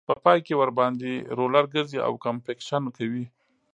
په پای کې ورباندې رولر ګرځي او کمپکشن کوي